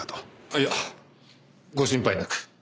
あっいやご心配なく。